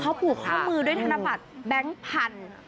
เขาผูกข้อมือด้วยธนบัตรแบงค์พันธุ์